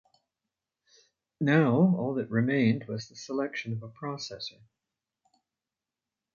Now all that remained was the selection of a processor.